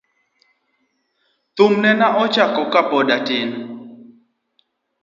Thum nena chako ka pod atin.